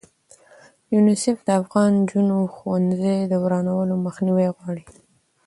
یونیسف د افغانو نجونو ښوونځي د ورانولو مخنیوی غواړي.